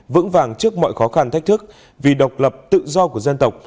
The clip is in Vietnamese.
vững vàng trước mọi khó khăn thách thức vì độc lập tự do của dân tộc